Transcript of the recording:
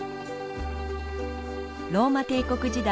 ローマ帝国時代